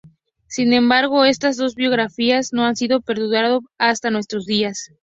Sin embargo, estas dos biografías no han perdurado hasta nuestros días.